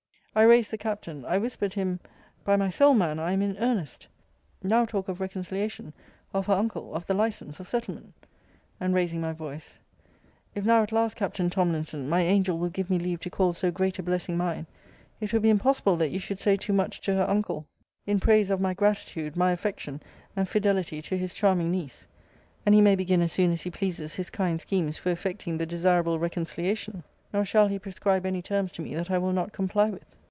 I raised the Captain. I whispered him by my soul, man, I am in earnest. Now talk of reconciliation, of her uncle, of the license, of settlement and raising my voice, If now at last, Captain Tomlinson, my angel will give me leave to call so great a blessing mine, it will be impossible that you should say too much to her uncle in praise of my gratitude, my affection, and fidelity to his charming niece; and he may begin as soon as he pleases his kind schemes for effecting the desirable reconciliation! Nor shall he prescribe any terms to me that I will not comply with.